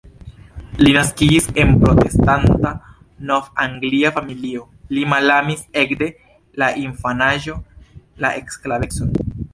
Li naskiĝis en protestanta nov-anglia familio, li malamis ekde la infanaĝo la sklavecon.